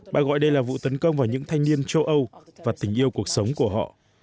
bà gọi đây là vụ tấn công vào những thanh niên châu âu và tình yêu cuộc sống của họ